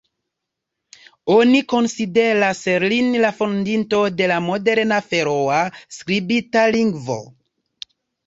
Oni konsideras lin la fondinto de la moderna feroa skribita lingvo.